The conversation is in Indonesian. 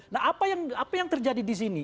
nah apa yang terjadi di sini